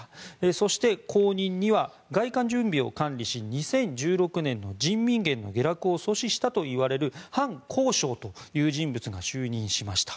そして、後任には外貨準備を管理し２０１６年の人民元の下落を阻止したといわれるハン・コウショウという人物が就任しました。